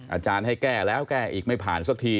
อาจารย์ให้แก้แล้วแก้อีกไม่ผ่านสักที